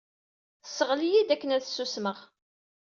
Tesɣel-iyi-d akken ad susmeɣ.